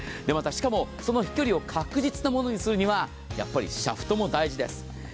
またしかもその飛距離を確実なものにするにはやっぱりシャフトも大事です。